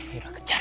ayo dah kejar